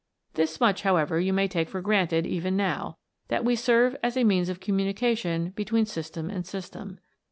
This much, however, you may take for granted even now, that we serve as means of communication between system and system.